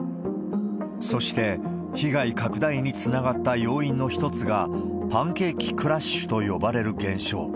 そして、被害拡大につながった要因の一つが、パンケーキクラッシュと呼ばれる現象。